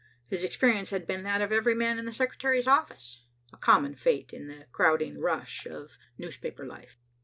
His experience had been that of every man in the secretary's office, a common fate in the crowding rush of newspaper life.